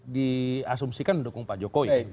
diasumsikan mendukung pak jokowi